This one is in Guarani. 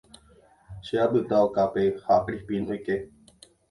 Che apyta okápe ha Crispín oike.